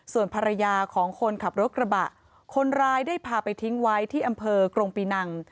ส่วนภรรยาของคนขับรถกระบะคนร้ายได้พาไปทิ้งไว้ที่อำเภอกรงปีนัง